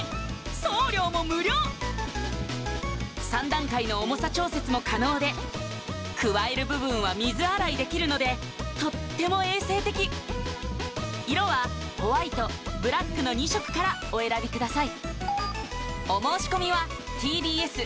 送料も無料３段階の重さ調節も可能でくわえる部分は水洗いできるのでとっても衛生的色はホワイトブラックの２色からお選びください